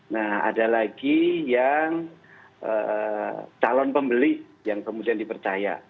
nah ada lagi yang calon pembeli yang kemudian dipercaya